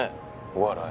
お笑い。